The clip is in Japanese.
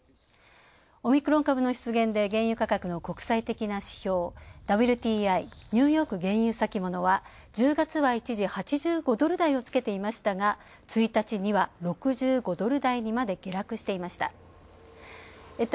オミクロン株の出現で原油価格の国際的な指標ＷＴＩ＝ニューヨーク原油先物は１０月は一時８５ドル台をつけていましたが１日には６５ドル台にまで下落していました。